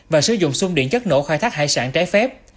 và sử dụng sung điện chất nổ khai thác hải sản trái phép